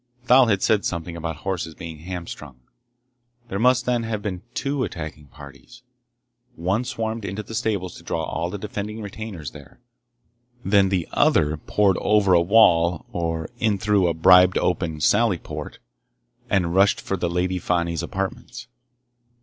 Thal had said something about horses being hamstrung. There must, then, have been two attacking parties. One swarmed into the stables to draw all defending retainers there. Then the other poured over a wall or in through a bribed open sally port, and rushed for the Lady Fani's apartments.